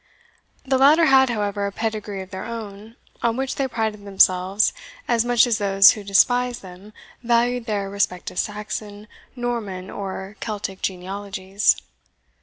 The latter had, however, a pedigree of their own, on which they prided themselves as much as those who despised them valued their respective Saxon, Norman, or Celtic genealogies.